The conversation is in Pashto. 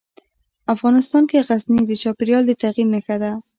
افغانستان کې غزني د چاپېریال د تغیر نښه ده.